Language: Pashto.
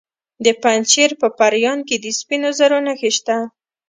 د پنجشیر په پریان کې د سپینو زرو نښې شته.